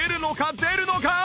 出るのか？